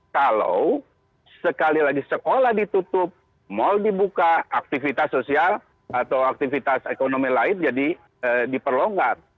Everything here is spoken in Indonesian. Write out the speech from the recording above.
kalau sekali lagi sekolah ditutup mal dibuka aktivitas sosial atau aktivitas ekonomi lain jadi diperlonggar